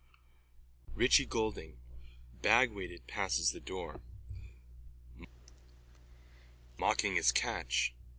RICHIE GOULDING: (Bagweighted, passes the door.) Mocking is catch.